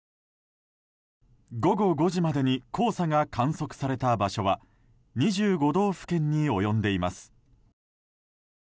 午後５時までに黄砂が観測された場所は２５道府県に及んでいます。